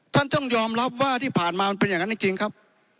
ต้องยอมรับว่าที่ผ่านมามันเป็นอย่างนั้นจริงครับ